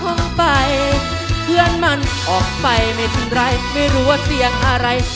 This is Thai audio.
ออกไปเพื่อนมันออกไปไม่เป็นไรไม่รู้ว่าเสียงอะไร